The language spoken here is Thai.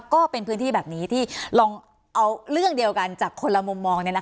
ก็เป็นพื้นที่แบบนี้ที่ลองเอาเรื่องเดียวกันจากคนละมุมมอง